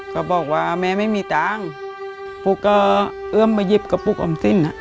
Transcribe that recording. ก็บอกว่าแม่ไม่มีตังค์ปุ๊กก็เอื้อมมาหยิบกระปุกออมสิน